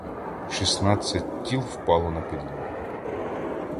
Шістнадцять тіл впало на підлогу.